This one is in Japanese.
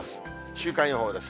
週間予報です。